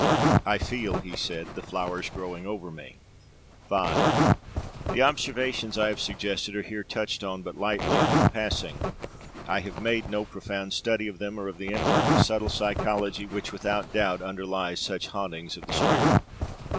'I feel,' he said, 'the flowers growing over me.' V The observations I have suggested are here touched on but lightly, and in passing. I have made no profound study of them, or of the infinitely subtle psychology which, without doubt, underlies such hauntings of the spirit.